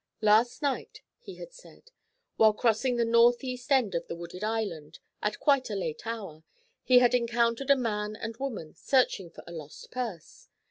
Last night, he had said, while crossing the north east end of the Wooded Island, at quite a late hour, he had encountered a man and woman searching for a lost purse.